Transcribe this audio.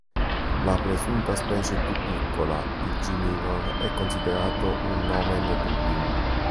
La presunta specie più piccola, il "G. minor" è considerato un "nomen dubium".